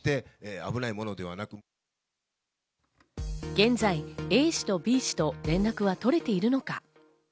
現在、Ａ氏とＢ氏と連絡は取れているのか？